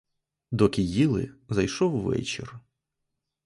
Доки їли, зайшов вечір.